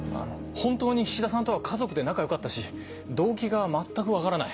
本当に菱田さんとは家族で仲良かったし動機が全く分からない。